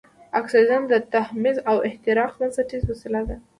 اکسیجن د تحمض او احتراق بنسټیزه وسیله ده.